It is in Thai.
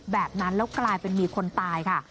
แบบนั้นแล้วกลายเป็นมีคนตายค่ะ